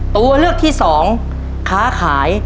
ตัวเลือกที่สองค้าขาย